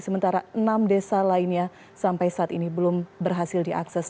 sementara enam desa lainnya sampai saat ini belum berhasil diakses